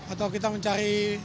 atau kita mencari